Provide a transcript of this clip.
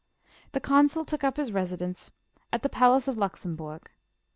The Consul took up his residence at the palace of Lux embourg.